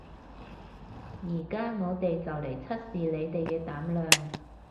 而家我哋就嚟測試你哋嘅膽量